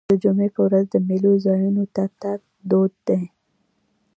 د جمعې په ورځ د میلو ځایونو ته تګ دود دی.